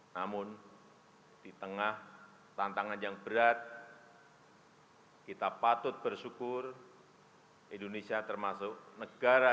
namun di tengah tantangan yang berat kita patut bersyukur indonesia termasuk negara